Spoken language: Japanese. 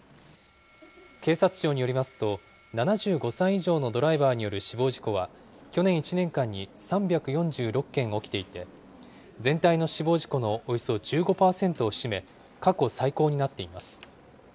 警察庁によりますと、７５歳以上のドライバーによる死亡事故は、去年１年間に３４６件起きていて、全体の死亡事故のおよそ１５％を占め、過去最高になっています。